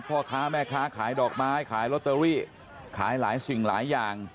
พ่อค้าแม่ค้าขายดอกไม้ขายลอตเตอรี่ขายหลายสิ่งหลายอย่าง